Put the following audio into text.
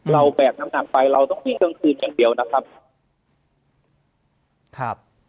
แบกน้ำหนักไปเราต้องทิ้งกลางคืนอย่างเดียวนะครับครับ